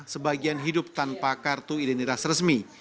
sebagian hidup tanpa kartu identitas resmi